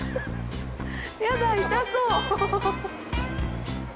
やだ痛そう。